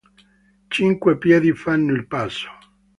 Cinque piedi fanno il passo.